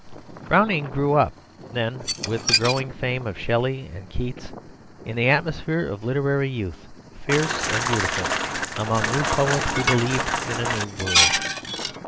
Browning grew up, then, with the growing fame of Shelley and Keats, in the atmosphere of literary youth, fierce and beautiful, among new poets who believed in a new world.